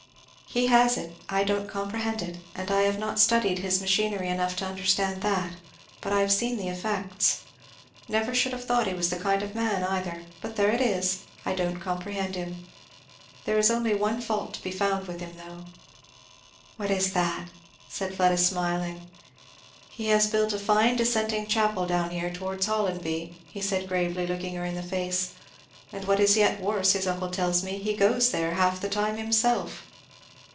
"He has it I don't comprehend it and I have not studied his machinery enough to understand that; but I have seen the effects. Never should have thought he was the kind of man either but there it is! I don't comprehend him. There is only one fault to be found with him though." "What is that?" said Fleda smiling. "He has built a fine dissenting chapel down here towards Hollonby," he said gravely, looking her in the face, "and what is yet worse, his uncle tells me, he goes there half the time himself!"